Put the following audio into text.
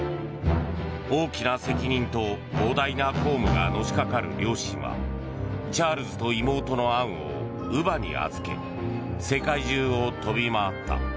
大きな責任と膨大な公務がのしかかる両親はチャールズと妹のアンを乳母に預け世界中を飛び回った。